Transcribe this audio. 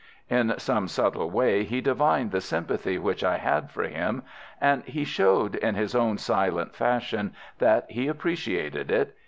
In some subtle way he divined the sympathy which I had for him, and he showed in his own silent fashion that he appreciated it.